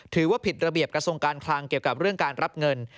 ถือว่าผิดระเบียบกระทรวงการคลังเกี่ยวกับเรื่องการรับเงิน